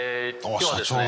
今日はですね